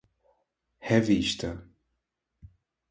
revista